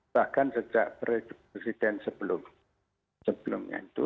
bahkan sejak presiden sebelumnya itu